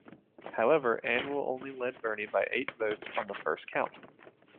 However, Anwyl only led Birney by eight votes on the first count.